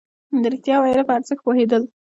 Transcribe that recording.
د رښتيا ويلو په ارزښت پوهېدل.